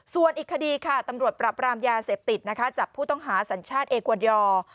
ส่วนอีกคดีค่ะตำรวจปรับรามยาเสพติดนะคะจับผู้ต้องหาสัญชาติเอกวาดอร์